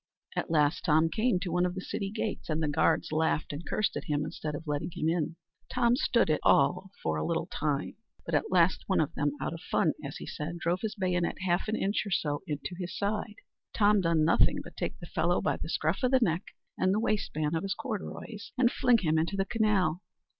At last Tom came to one of the city gates, and the guards laughed and cursed at him instead of letting him in. Tom stood it all for a little time, but at last one of them out of fun, as he said, drove his bayonet half an inch or so into his side. Tom done nothing but take the fellow by the scruff o' the neck and the waistband of his corduroys, and fling him into the canal.